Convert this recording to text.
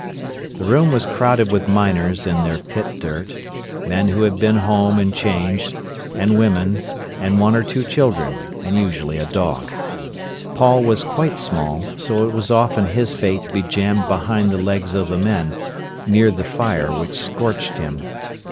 The room was crowded with miners in their pit dirt, men who had been home and changed, and women, and one or two children, and usually a dog. Paul was quite small, so it was often his fate to be jammed behind the legs of the men, near the fire which scorched him.